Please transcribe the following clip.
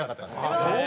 ああそう？